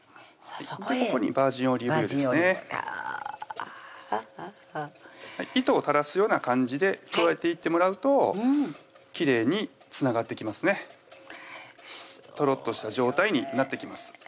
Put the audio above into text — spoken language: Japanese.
ここにバージンオリーブ油ですねいや糸を垂らすような感じで加えていってもらうときれいにつながっていきますねとろっとした状態になってきます